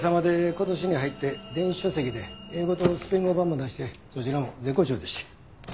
今年に入って電子書籍で英語とスペイン語版も出してそちらも絶好調でして。